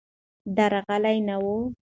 درغلي نه وي.